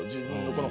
この。